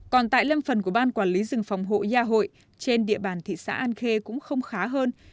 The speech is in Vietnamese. còn tại lâm phần của ban quản lý rừng phòng hộ gia hội trên địa bàn thị xã an khê cũng không khá hơn